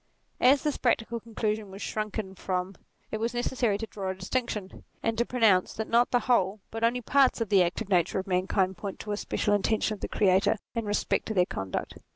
As this practical conclusion was shrunk from, it was necessary to draw a distinction, and to pronounce that not the whole, but only parts of the active nature of mankind point to a special intention of the Creator in respect to their conduct.